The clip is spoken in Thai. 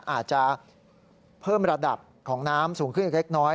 อาจจะเพิ่มระดับของน้ำสูงขึ้นเล็กน้อย